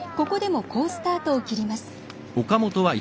ここでも好スタートを切ります。